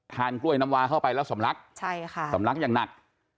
ทานกล้วยน้ำวาเข้าไปแล้วสมรักสมรักอย่างหนัก